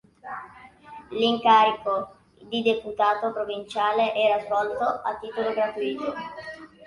L'incarico di deputato provinciale era svolto a titolo gratuito.